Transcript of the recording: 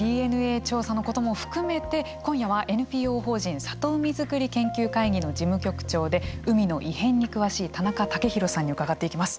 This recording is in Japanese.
ＤＮＡ調査のことも含めて今夜はＮＰＯ法人里海づくり研究会議の事務局長で海の異変に詳しい田中丈裕さんに伺っていきます。